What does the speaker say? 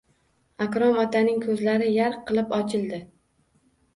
Akrom otaning ko`zlari yarq qilib ochildi